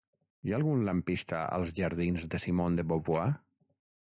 Hi ha algun lampista als jardins de Simone de Beauvoir?